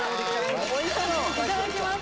いただきます